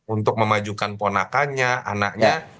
untuk memajukan ponakannya anaknya